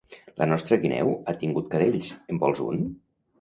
La nostra guineu ha tingut cadells; en vols un?